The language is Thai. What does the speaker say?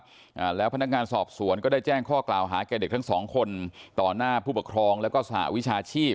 อ่าแล้วพนักงานสอบสวนก็ได้แจ้งข้อกล่าวหาแก่เด็กทั้งสองคนต่อหน้าผู้ปกครองแล้วก็สหวิชาชีพ